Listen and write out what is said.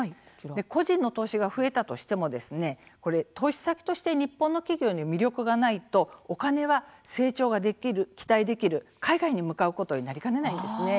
個人の投資が増えたとしても投資先として日本の企業に魅力がないとお金は成長が期待できる海外に向かうことになりかねないんですね。